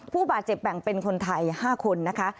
ผู้บาดเจ็บแบ่งเป็นคนไทย๕คนนะคะ